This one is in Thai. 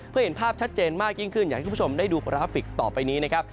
เพื่อเห็นภาพชัดเจนมากยิ่งขึ้นอยากให้คุณผู้ชมได้ดูกราฟิกต่อไปนี้นะครับ